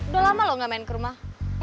udah lama loh gak main ke rumah